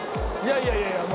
「いやいやいや」